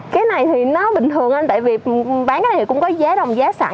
cái này thì nó bình thường anh tại vì bán cái này cũng có giá đồng giá sẵn